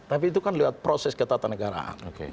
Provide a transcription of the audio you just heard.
tapi itu kan lewat proses ketatanegaraan